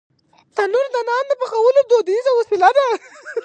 تنور د نان پخولو دودیزه وسیله ده